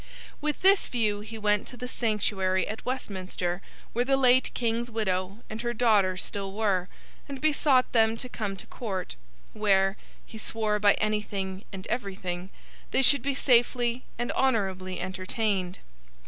With this view he went to the Sanctuary at Westminster, where the late King's widow and her daughter still were, and besought them to come to Court: where (he swore by anything and everything) they should be safely and honourably entertained.